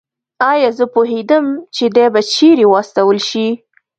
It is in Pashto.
ایا زه پوهېدم چې دی به چېرې واستول شي؟